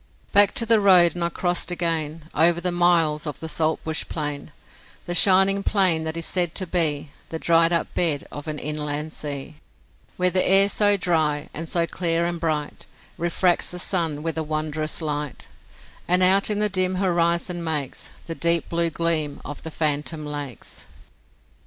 Back to the road, and I crossed again Over the miles of the saltbush plain The shining plain that is said to be The dried up bed of an inland sea, Where the air so dry and so clear and bright Refracts the sun with a wondrous light, And out in the dim horizon makes The deep blue gleam of the phantom lakes.